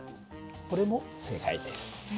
これも正解です。